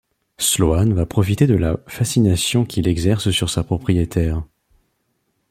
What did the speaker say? Sloane va profiter de la fascination qu'il exerce sur sa propriétaire.